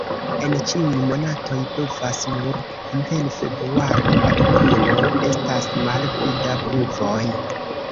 En ĉiuj monatoj pluvas, nur inter februaro-aprilo estas malpli da pluvoj.